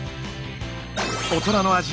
大人の味